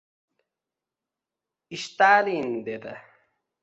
«Ishtalin» dedi!